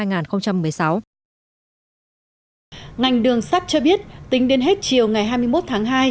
ngành đường sắt cho biết tính đến hết chiều ngày hai mươi một tháng hai